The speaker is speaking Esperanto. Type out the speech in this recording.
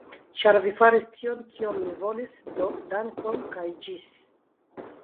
Ĉar vi faris tion, kion mi volis do dankon, kaj ĝis!